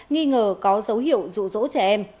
nghi ngờ có dấu hiệu rủ rỗ trẻ em